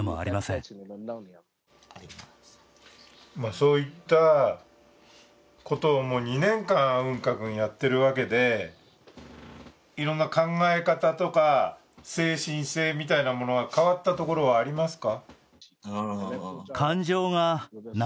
そういったことを、もう２年間アウンカ君やっているわけでいろんな考え方とか、精神性みたいなものは、変わったところはありますか？